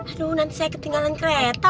aduh nanti saya ketinggalan kereta